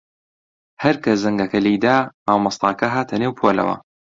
هەر کە زەنگەکە لێی دا، مامۆستاکە هاتە نێو پۆلەوە.